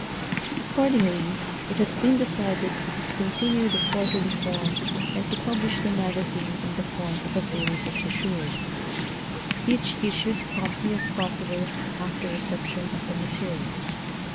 Accordingly it has been decided to discontinue the quarterly form and to publish the Magazine in the form of a series of brochures, each issued promptly as possible after reception of the material.